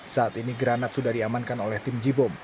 saat ini granat sudah diamankan oleh tim jibom